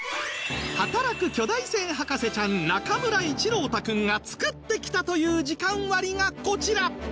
働く巨大船博士ちゃん中村一朗太君が作ってきたという時間割がこちら